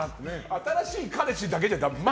新しい彼氏だけじゃダメなの？